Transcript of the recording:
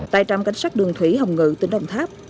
tại trạm cảnh sát đường thủy hồng ngự tỉnh đồng tháp